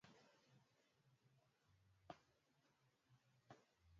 ohalisi na wa haraka lakini na dhani kunauwezekano